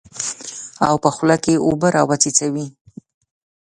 او په خوله کې اوبه راوڅڅوي.